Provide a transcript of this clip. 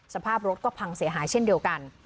สภาพรถก็พังเสียหายเช่นเดียวกัน